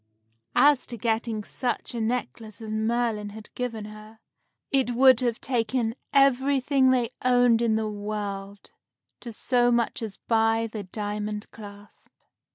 As to getting such a necklace as Merlin had given her, it would have taken everything they owned in the world to so much as buy the diamond clasp.